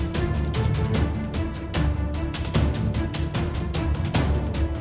จะมาคุยกับทางโทรศาสตร์